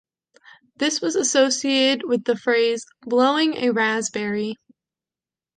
This was associated with the phrase "blowing a raspberry".